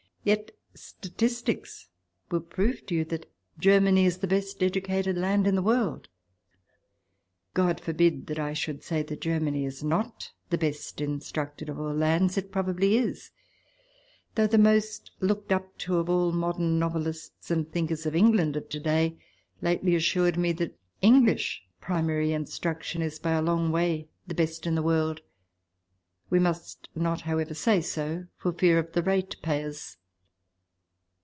Yet statistics will prove to X PREFACE you that Germany is the best educated land in the world. God forbid that I should say that Germany is not the best instructed of all lands. It probably is ; though the most looked up to of all modern novelists and thinkers of England of to day lately assured me that English primary instruction is by a long way the best in the world ; we must not, however, say so for fear of the ratepayers.